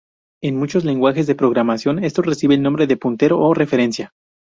En muchos lenguajes de programación, esto recibe el nombre de puntero o referencia.